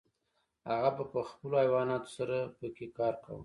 هغه به په خپلو حیواناتو سره پکې کار کاوه.